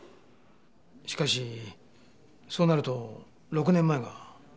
しかしそうなると「６年前」が。